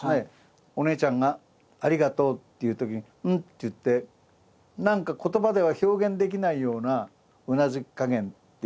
お姉ちゃんが「ありがとう」って言うときに「ん」っていって何か言葉では表現できないようなうなずき加減っていうか。